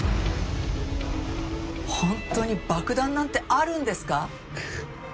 本当に爆弾なんてあるんですか？